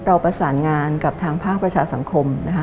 เราประสานงานกับทางภาคประชาสังคมนะคะ